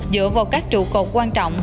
dựa vào các trụ cột quan trọng